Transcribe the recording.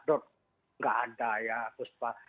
tidak ada ya